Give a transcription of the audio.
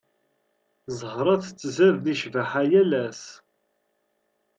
Zahra tettzad di cbaḥa yal ass.